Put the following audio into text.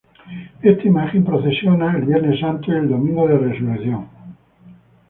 Esta imagen procesiona el Viernes Santo y Domingo de Resurrección.